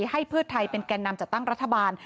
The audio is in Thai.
ให้เพื่อไทยเป็นแก่นำจัดตั้งรัฐบาล